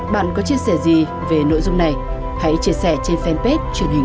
bạn có chia sẻ gì về nội dung này hãy chia sẻ trên fanpage truyền hình công an nhân dân